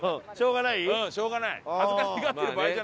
うんしょうがない。